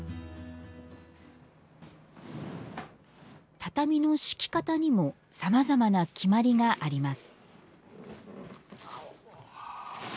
畳の敷き方にもさまざまな決まりがあります